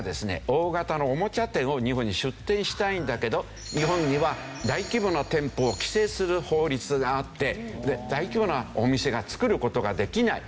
大型のおもちゃ店を日本に出店したいんだけど日本には大規模な店舗を規制する法律があって大規模なお店を造る事ができない。